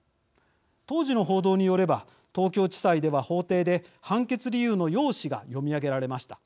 当時の報道によれば東京地裁では法廷で判決理由の要旨が読み上げられました。